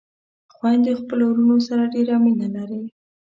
خويندې خپلو وروڼو سره ډېره مينه لري